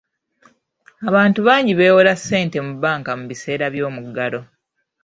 Abantu bangi bewola ssente mu bbanka mu biseera by'omuggalo.